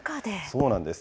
そうなんです。